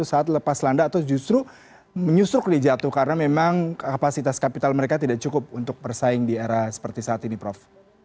saat lepas landa atau justru menyusuk nih jatuh karena memang kapasitas kapital mereka tidak cukup untuk bersaing di era seperti saat ini prof